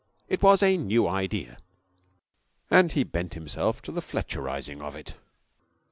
It was a new idea, and he bent himself to the Fletcherizing of it.